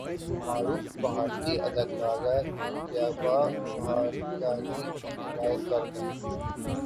معروف بھارتی اداکارہ ریٹا بہادری انتقال کرگئیں